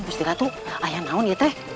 gusti ratu ayah naun ya teh